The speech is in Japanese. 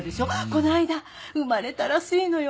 こないだ生まれたらしいのよ